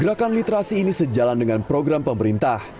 gerakan literasi ini sejalan dengan program pemerintah